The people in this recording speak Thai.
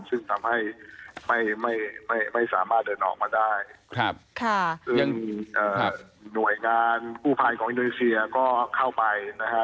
ซึ่งทำให้ไม่ไม่สามารถเดินออกมาได้ซึ่งหน่วยงานกู้ภัยของอินโดนีเซียก็เข้าไปนะฮะ